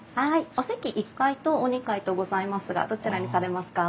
お席１階とお２階とございますがどちらにされますか？